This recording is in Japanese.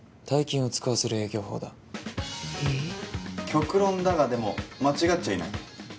極論だがでも間違っちゃいない。